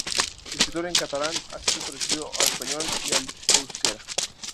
Escritor en catalán, ha sido traducido al español y al euskera.